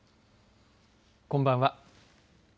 こんばんは。